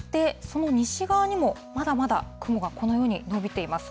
そして、その西側にもまだまだ雲がこのように延びています。